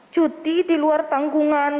cuti di luar panggungan